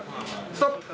ストップ。